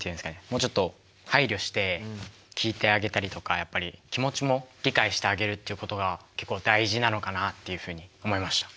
もうちょっと配慮して聞いてあげたりとかやっぱり気持ちも理解してあげるっていうことが結構大事なのかなっていうふうに思いました。